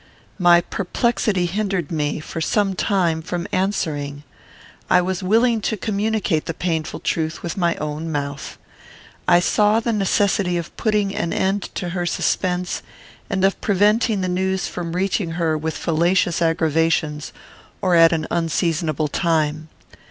My perplexity hindered me, for some time, from answering. I was willing to communicate the painful truth with my own mouth. I saw the necessity of putting an end to her suspense, and of preventing the news from reaching her with fallacious aggravations or at an unseasonable time.